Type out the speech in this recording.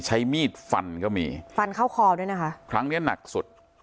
ใช้มีดฟันก็มีฟันเข้าคอด้วยนะคะครั้งเนี้ยหนักสุด